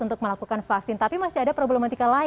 untuk melakukan vaksin tapi masih ada problematika lain